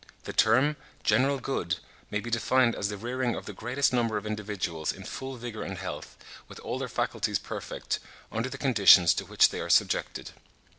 The term, general good, may be defined as the rearing of the greatest number of individuals in full vigour and health, with all their faculties perfect, under the conditions to which they are subjected.